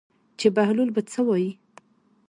چې بهلول به څه وایي.